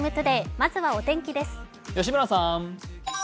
まずはお天気です。